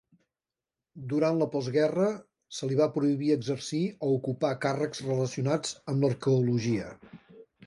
Durant la postguerra se li va prohibir exercir o ocupar càrrecs relacionats amb l'arqueologia.